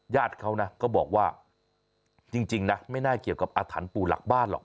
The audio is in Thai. ญาติเขานะก็บอกว่าจริงนะไม่น่าเกี่ยวกับอาถรรพ์ปู่หลักบ้านหรอก